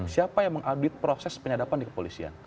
siapa yang mengaudit proses penyadapan di kepolisian